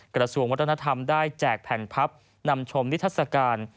กระทรวงวัฒนธรรมได้แจกแผ่นพับนำชมนิทัศกาล